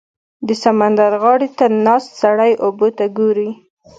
• د سمندر غاړې ته ناست سړی اوبو ته ګوري.